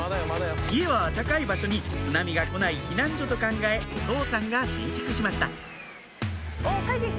家は高い場所に津波が来ない避難所と考えお父さんが新築しました